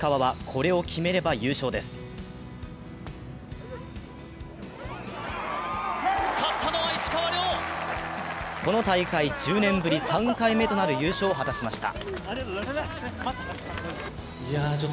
この大会１０年ぶり３回目となる優勝を果たしました。